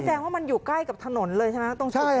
แสดงว่ามันอยู่ใกล้กับถนนเลยใช่ไหมตรงสุดนี้ค่ะ